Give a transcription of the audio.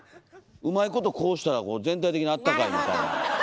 うまいことこうしたら全体的にあったかいみたいな。